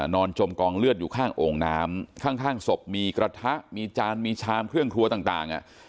จมกองเลือดอยู่ข้างโอ่งน้ำข้างศพมีกระทะมีจานมีชามเครื่องครัวต่าง